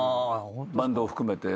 バンドを含めて。